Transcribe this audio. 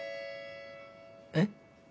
えっ？